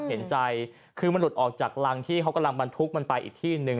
เห็นใจคือมันหลุดออกจากรังที่เขากำลังบรรทุกมันไปอีกที่หนึ่ง